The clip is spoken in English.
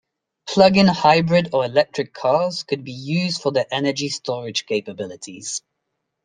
Plug-in hybrid or electric cars could be used for their energy storage capabilities.